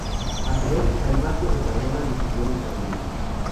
A su vez, fray Marcos de Cardona diseñó los jardines.